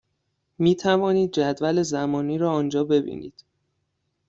می توانید جدول زمانی را آنجا ببینید.